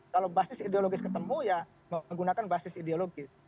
kalau basis ideologis ketemu ya menggunakan basis ideologis